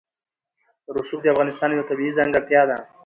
رسوب د افغانستان یوه طبیعي ځانګړتیا ده.